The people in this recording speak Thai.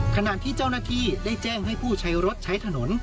ขณะที่เจ้าหน้าที่ได้แจ้งให้ผู้ใช้รถใช้ถนน